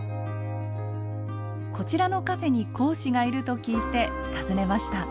こちらのカフェに講師がいると聞いて訪ねました。